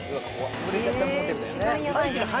潰れちゃったモーテルだよね。